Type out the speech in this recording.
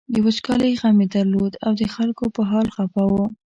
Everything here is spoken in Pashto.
د وچکالۍ غم یې درلود او د خلکو په حال خپه و.